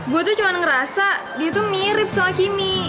gue tuh cuma ngerasa dia tuh mirip sama kimmy